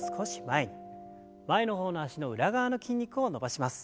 前の方の脚の裏側の筋肉を伸ばします。